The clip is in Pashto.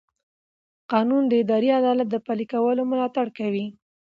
قانون د اداري عدالت د پلي کولو ملاتړ کوي.